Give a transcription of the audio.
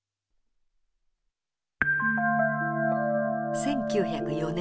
１９０４年。